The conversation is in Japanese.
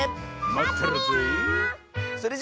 まってるぜえ。